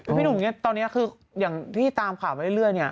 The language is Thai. พี่หนุ่มตอนนี้คืออย่างที่ตามคำถามเรื่อยเนี่ย